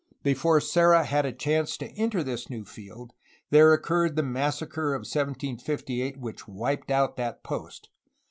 Before Serra had a chance to enter this new field, there occurred the massacre of 1758 which wiped out that post.